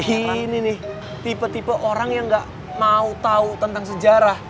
ini nih tipe tipe orang yang gak mau tahu tentang sejarah